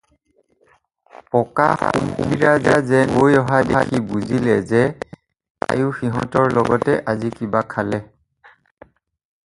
পকা সুমথিৰা যেন হৈ অহা দেখি বুজিলে যে তায়ো সিহঁতৰ লগতে আজি কিবা খালে।